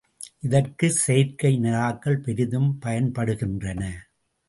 இதற்குச் செயற்கை நிலாக்கள் பெரிதும் பயன்படுகின்றன.